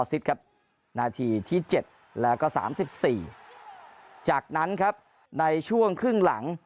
ซิค์ครับหน้าที่ที่๗แล้วก็๓๔จากนั้นครับในช่วงครึ่งหลัง